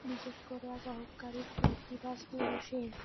বিশেষ করে এক অহংকারী ফূর্তিবাজ পুরুষের।